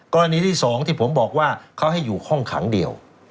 กรณีที่๒ที่ผมบอกว่าเขาให้อยู่ห้องขังเดียว